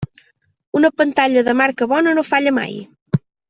Una pantalla de marca bona no falla mai.